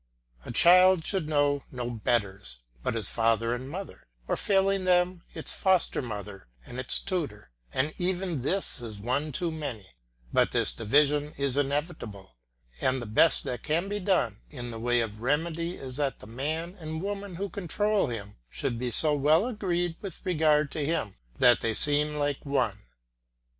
A child should know no betters but its father and mother, or failing them its foster mother and its tutor, and even this is one too many, but this division is inevitable, and the best that can be done in the way of remedy is that the man and woman who control him shall be so well agreed with regard to him that they seem like one.